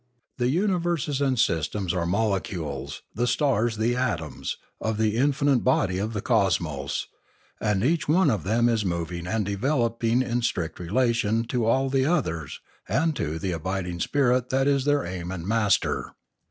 The universes and systems are molecules, the stars the atoms, of the infinite body of the cosmos, and each one of them is moving and developing in strict relation to all the others and to the abiding spirit that is their aim and master.